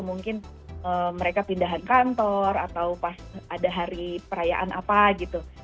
mungkin mereka pindahan kantor atau pas ada hari perayaan apa gitu